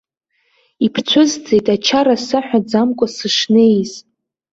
Ибцәызӡеит ачара саҳәаӡамкәа сышнеиз.